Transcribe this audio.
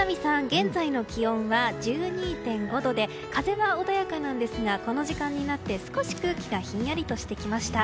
現在の気温は１２．５度で風は穏やかなんですがこの時間になって、少し空気がひんやりとしてきました。